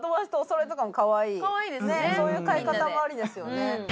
普段ロケそういう買い方もありですよね